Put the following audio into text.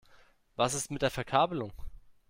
Was ist mit der Verkabelung?